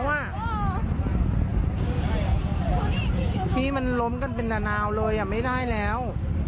ที่มันล้มกันเป็นนาวเลยไม่ได้แล้ว